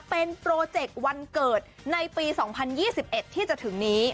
เป็นโปรเจกต์วันเกิดในปี๒๐๒๑ที่จะถึงนี้